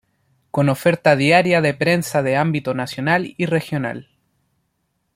Con oferta diaria de prensa de ámbito nacional y regional.